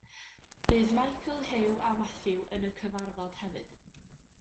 Bydd Michael, Hugh a Matthew yn y cyfarfod hefyd.